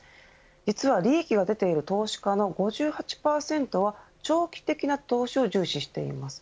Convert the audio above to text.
実は利益が出ている投資家の５８％は長期的な投資を重視しています。